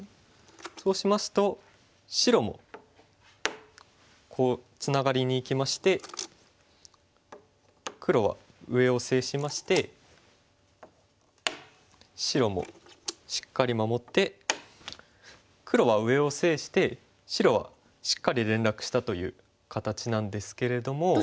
そうしますと白もこうツナがりにいきまして黒は上を制しまして白もしっかり守って黒は上を制して白はしっかり連絡したという形なんですけれども。